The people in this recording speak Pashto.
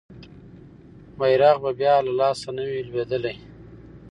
بیرغ به بیا له لاسه نه وي لویدلی.